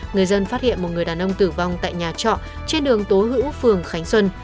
người dân phát hiện một người đàn ông tử vong tại nhà trọ trên đường tố hữu phường khánh xuân